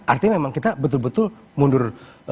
artinya memang kita betul betul mundur